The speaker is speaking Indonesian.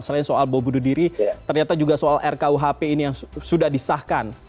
selain soal bom bunuh diri ternyata juga soal rkuhp ini yang sudah disahkan